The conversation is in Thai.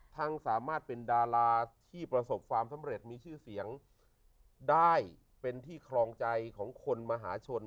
สามารถเป็นดาราที่ประสบความสำเร็จมีชื่อเสียงได้เป็นที่ครองใจของคนมหาชน